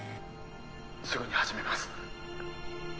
すぐに始めます